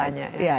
betul apalagi ya